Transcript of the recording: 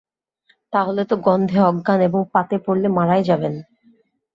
তা হলে তো গন্ধে অজ্ঞান এবং পাতে পড়লে মারাই যাবেন!